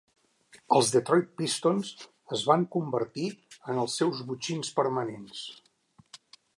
Els Detroit Pistons es van convertir en els seus botxins permanents.